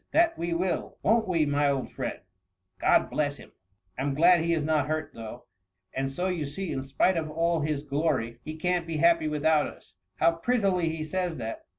£ "H 74 THB MUMMY. we will : won't we, my old friend ? God bless him ! I 'm glad he is not hurt, though. And so you see, in spite of all his glory, he can \ be happy without us. How prettily he says that